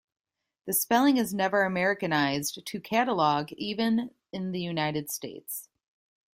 The spelling is never Americanized to "catalog", even in the United States.